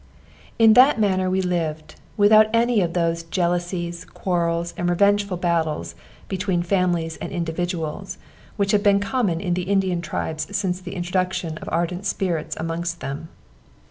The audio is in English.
In that manner we lived, without any of those jealousies, quarrels, and revengeful battles between families and individuals, which have been common in the Indian tribes since the introduction of ardent spirits amongst them.